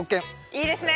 いいですね。